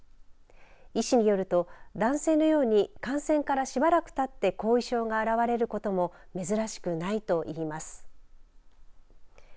医師によると、男性のように感染からしばらくたって後遺症が現れることも珍しくないと言います。